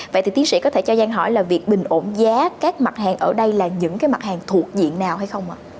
vậy thì tiến sĩ có thể cho giang hỏi là việc bình ổn giá các mặt hàng ở đây là những cái mặt hàng thuộc diện nào hay không ạ